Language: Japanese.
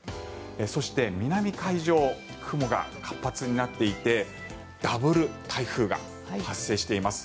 そして、南海上雲が活発になっていてダブル台風が発生しています。